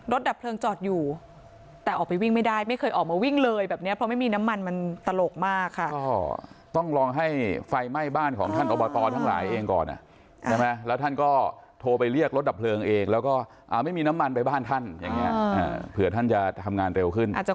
รถดับเพลิงเจาะอยู่แต่ออกไปวิ่งไม่ได้ไม่เคยออกมาวิ่งเลยแบบนี้